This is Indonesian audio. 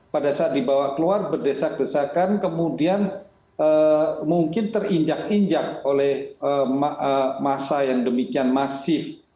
pada saat dibawa keluar berdesak desakan kemudian mungkin terinjak injak oleh massa yang demikian masif